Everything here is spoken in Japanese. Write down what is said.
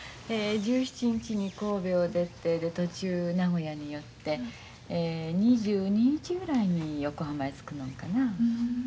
１７日に神戸を出てで途中名古屋に寄って２２日ぐらいに横浜へ着くのんかな。